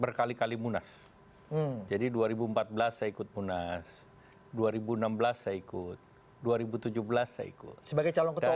sebagai calon ketua umum atau sebagai